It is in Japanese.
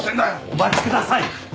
お待ちください！